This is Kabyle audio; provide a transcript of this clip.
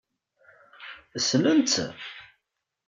Ssnen-tt?